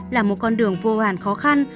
là một con đường vô hàn khó khăn